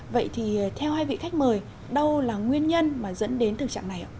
vậy thì theo hai vị khách mời đâu là nguyên nhân mà dẫn đến thực trạng này ạ